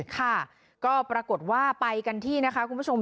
ค่ะก็ปรากฏว่าไปกันที่นะคะคุณผู้ชม